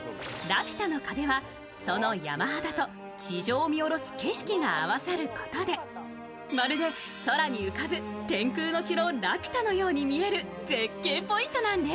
ラピュタの壁は、その山肌と地上を見下ろす景色が合わさることでまるで空に浮かぶ天空の城ラピュタのように見える絶景ポイントなんです